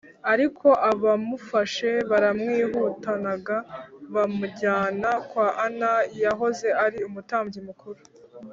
ariko abamufashe baramwihutanaga bamujyana kwa ana wahoze ari umutambyi mukuru